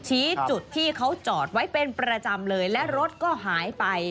ชี้จุดที่เขาจอดไว้เป็นประจำเลยและรถก็หายไป